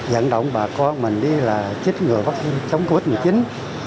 dẫn động bà con mình đi là chích ngừa vắc xin chống covid một mươi chín